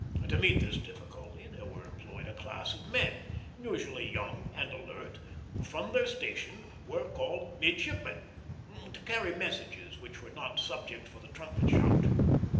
To meet this difficulty there were employed a class of men, usually young and alert, who from their station were called midshipmen, to carry messages which were not subject for the trumpet shout.